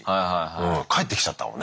返ってきちゃったもんね質問が。